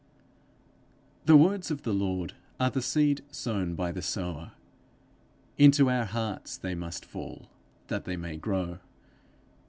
The words of the Lord are the seed sown by the sower. Into our hearts they must fall that they may grow.